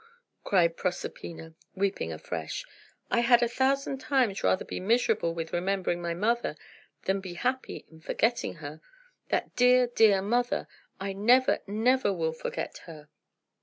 cried Proserpina, weeping afresh. "I had a thousand times rather be miserable with remembering my mother, than be happy in forgetting her. That dear, dear mother! I never, never will forget her."